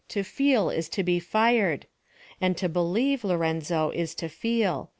— to feel is to be lircJ ; And to believe, Lorenzo, is to feel."